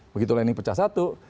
begitu landing pecah satu